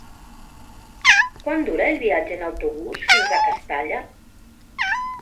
Quant dura el viatge en autobús fins a Castalla?